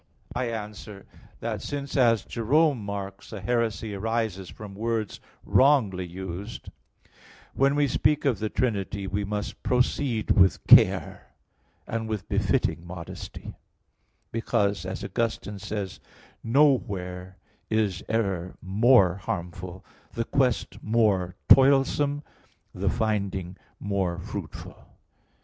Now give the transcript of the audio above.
I answer that, Since as Jerome remarks [*In substance, Ep. lvii.], a heresy arises from words wrongly used, when we speak of the Trinity we must proceed with care and with befitting modesty; because, as Augustine says (De Trin. i, 3), "nowhere is error more harmful, the quest more toilsome, the finding more fruitful."